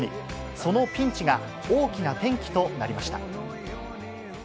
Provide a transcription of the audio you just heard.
そのピンチが、大きな転機となりました。